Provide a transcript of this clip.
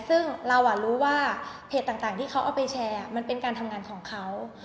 ซึ่งเรารู้ว่าเพจต่างที่เขาเอาไปแชร์มันเป็นการทำงานของเขา